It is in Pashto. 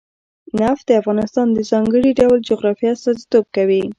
نفت د افغانستان د ځانګړي ډول جغرافیه استازیتوب کوي.